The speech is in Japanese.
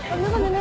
何？